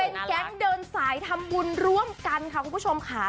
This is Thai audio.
เป็นแก๊งเดินสายทำบุญร่วมกันค่ะคุณผู้ชมค่ะ